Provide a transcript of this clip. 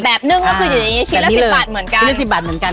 แบบนึ่งก็คืออยู่ในนี้ชิ้นละ๑๐บาทเหมือนกัน